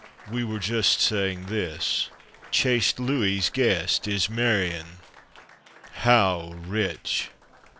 We were just saying this: "Chaste Louis's guest is Marion." How rich!